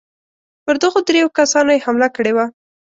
پر دغو درېو کسانو یې حمله کړې وه.